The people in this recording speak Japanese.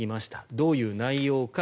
どういう内容か。